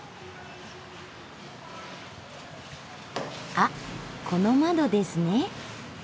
あっこの窓ですね。